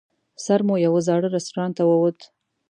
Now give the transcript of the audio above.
سر مو یوه زاړه رستورانت ته ووت.